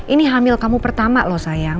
ini hamil kamu pertama loh sayang